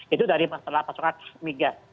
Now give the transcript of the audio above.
itu dari masalah pasokan migas